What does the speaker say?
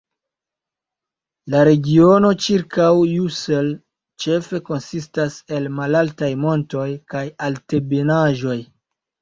La regiono ĉirkaŭ Ussel ĉefe konsistas el malaltaj montoj kaj altebenaĵoj.